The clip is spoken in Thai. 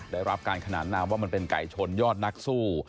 ได้รับการขนานนามว่ามันเป็นไก่ชนยอดนักสู้